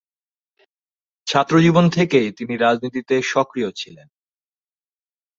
ছাত্রজীবন থেকেই তিনি রাজনীতিতে সক্রিয় ছিলেন।